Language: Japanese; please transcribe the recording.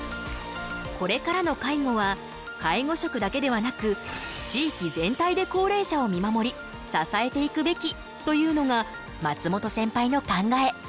これからの介護は介護職だけではなく地域全体で高齢者を見守り支えていくべきというのが松本センパイの考え。